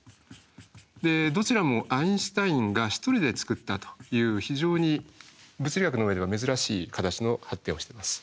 でどちらもアインシュタインが１人で作ったという非常に物理学の上では珍しい形の発展をしてます。